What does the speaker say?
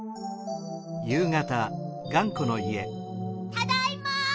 ・ただいま！